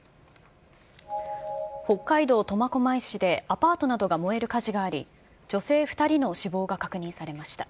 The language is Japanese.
北海道苫小牧市でアパートなどが燃える火事があり、女性２人の死亡が確認されました。